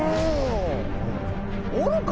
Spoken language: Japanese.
おるか？